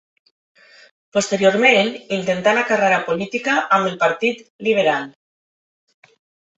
Posteriorment intentà la carrera política amb el Partit Liberal.